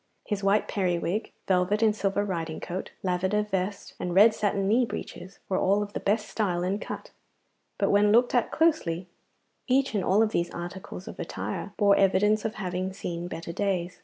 His white periwig, velvet and silver riding coat, lavender vest and red satin knee breeches were all of the best style and cut, but when looked at closely, each and all of these articles of attire bore evidence of having seen better days.